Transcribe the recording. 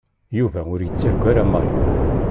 Yuba ur yettargu ara Mary.